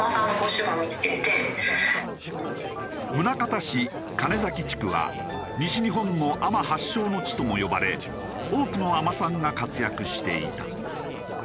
宗像市鐘崎地区は西日本の海女発祥の地とも呼ばれ多くの海女さんが活躍していた。